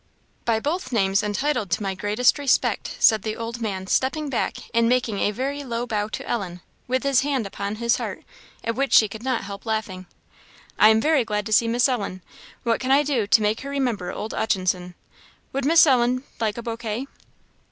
"By both names h'entitled to my greatest respect," said the old man, stepping back, and making a very low bow to Ellen, with his hand upon his heart, at which she could not help laughing. "I am very glad to see Miss h'Ellen; what can I do to make her remember old 'Utchinson? Would Miss h'Ellen like a bouquet?"